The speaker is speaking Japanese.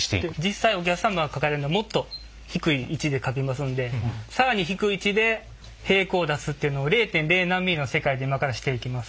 実際お客さんがかかれるのはもっと低い位置でかきますんで更に低い位置で平行を出すっていうのを０．０何ミリの世界で今からしていきます。